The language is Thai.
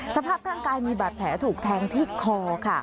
สภาพร่างกายมีบาดแผลถูกแทงที่คอค่ะ